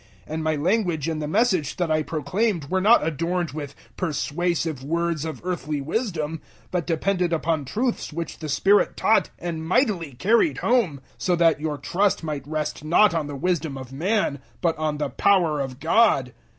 002:004 And my language and the Message that I proclaimed were not adorned with persuasive words of earthly wisdom, but depended upon truths which the Spirit taught and mightily carried home; 002:005 so that your trust might rest not on the wisdom of man but on the power of God.